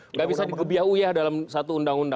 nggak bisa dikebiahu ya dalam satu undang undang